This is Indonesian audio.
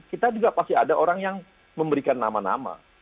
kita juga pasti ada orang yang memberikan nama nama